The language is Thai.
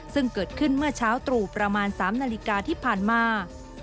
ซึ่งเกิดขึ้นเมื่อเช้าตรู่ประมาณ๓นาฬิกาที่ผ่านมา